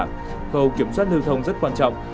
khẩu kiểm soát lưu thông rất quan trọng